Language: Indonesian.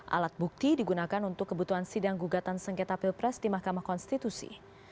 alat bukti digunakan untuk kebutuhan sidang gugatan sengketa pilpres di mahkamah konstitusi